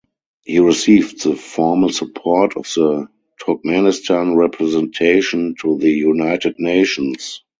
He received the formal support of the Turkmenistan Representation to the United Nations.